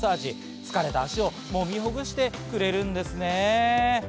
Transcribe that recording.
疲れた足をもみほぐしてくれるんですね。